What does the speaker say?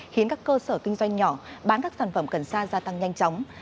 khiến các cơ sở kinh doanh nhỏ bán các sản phẩm cần sa gia tăng nhanh chóng